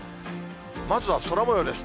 まずは空もようです。